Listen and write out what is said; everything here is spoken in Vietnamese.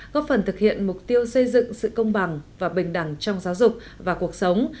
góp phần thực hiện mục tiêu xây dựng sự công bằng và bình đẳng trong giáo dục và cuộc sống